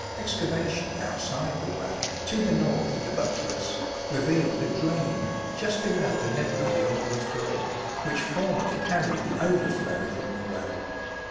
Excavation outside the well, to the north of the buttress, revealed a drain, just below the level of the aula floor, which formerly carried the overflow from the well.